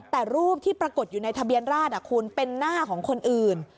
แต่รูปที่ปรากฏอยู่ในทะเบียนราชคุณเป็นหน้าของคนอื่น